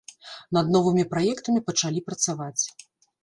Над новымі праектамі пачалі працаваць.